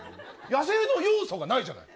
野生の要素がないじゃない。